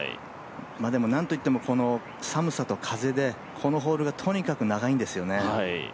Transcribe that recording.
でも、なんといっても、この寒さと風で、このホールがとにかく長いんですよね。